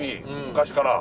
昔から？